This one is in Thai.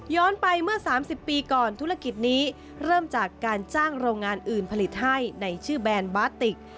ไปเมื่อ๓๐ปีก่อนธุรกิจนี้เริ่มจากการจ้างโรงงานอื่นผลิตให้ในชื่อแบรนด์บาติก